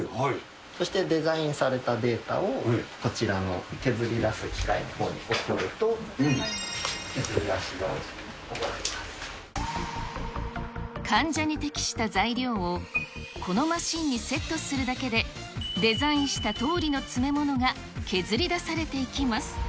そしてデザインされたデータを、こちらの削り出す機械のほうに送ると、患者に適した材料を、このマシンにセットするだけで、デザインしたとおりの詰め物が削り出されていきます。